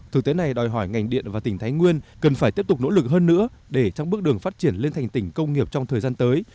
thực tế này đòi hỏi ngành điện và tỉnh thái nguyên cần phải tiếp tục nỗ lực hơn nữa để trong bước đường phát triển lên thành tỉnh công nghiệp trong thời gian tới